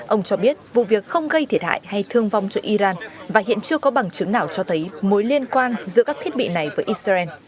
ông cho biết vụ việc không gây thiệt hại hay thương vong cho iran và hiện chưa có bằng chứng nào cho thấy mối liên quan giữa các thiết bị này với israel